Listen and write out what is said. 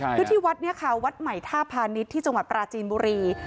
คือที่วัดเนี่ยค่ะวัดใหม่ท่าพาณิชย์ที่จังหวัดปราจีนบุรี